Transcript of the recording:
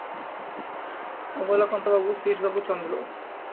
অবলাকান্তবাবু, শ্রীশবাবু– চন্দ্র।